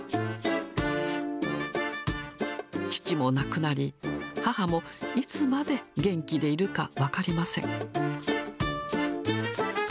父も亡くなり、母もいつまで元気でいるか分かりません。